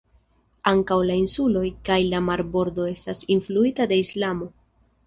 Ankaŭ la insuloj kaj la marbordo estas influita de Islamo.